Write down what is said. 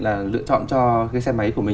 là lựa chọn cho cái xe máy của mình